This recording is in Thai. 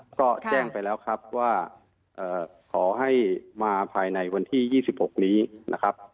ก็แจ้งไปแล้วครับว่าขอให้มาภายในวันที่๒๖นี้นะครับ